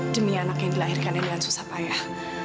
demi anak yang dilahirkan dengan susah payah